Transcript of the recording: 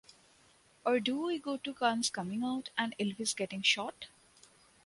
Or do we go to guns coming out and Elvis getting shot?